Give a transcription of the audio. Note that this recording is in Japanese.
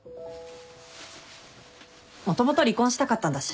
もともと離婚したかったんだし。